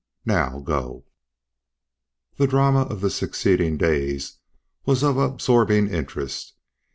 Now go." The drama of the succeeding days was of absorbing interest.